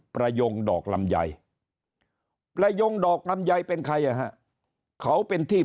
ประยงดอกลำไยประยงดอกลำไยเป็นใครอ่ะฮะเขาเป็นที่